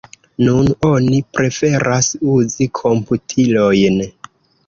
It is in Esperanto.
Nun oni preferas uzi komputilojn.